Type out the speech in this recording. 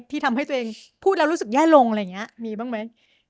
ที่ทำให้ตัวเองพูดแล้วรู้สึกแย่ลงอะไรแบบนี้บ้างมั้ย